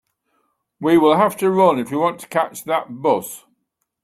We will have to run if we want to catch that bus.